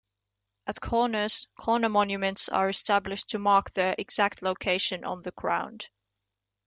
At corners, "corner monuments" are established to mark their exact location on the ground.